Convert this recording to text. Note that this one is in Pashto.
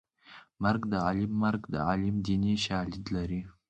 مرګ د عالم مرګ د عالم دیني شالید لري